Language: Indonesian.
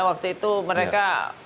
waktu itu mereka